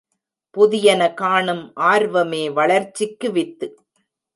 புதியன காணும் ஆர்வமே வளர்ச்சிக்கு வித்து.